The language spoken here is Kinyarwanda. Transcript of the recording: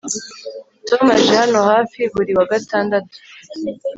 Tom aje hano hafi buri wa gatandatu